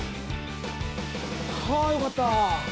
はあよかった